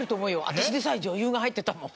私でさえ「女優」が入ってたもん。